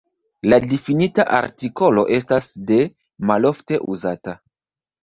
La difinita artikolo estas "de", malofte uzata.